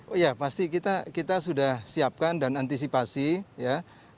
oh iya pasti kita sudah siapkan dan antisipasi ya